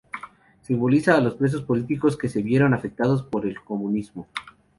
Simboliza a los presos políticos que se vieron afectados por el comunismo.